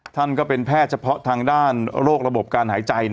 ท่านก็เป็นแพทย์เฉพาะทางด้านโรคระบบการหายใจ